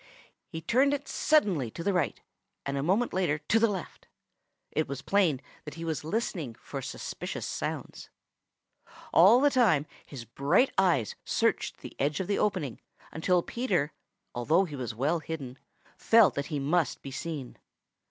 He turned it suddenly to the right and a moment later to the left. It was plain that he was listening for suspicious sounds. All the time his bright eyes searched the edge of the opening until Peter, although he was well hidden, felt that he must be seen.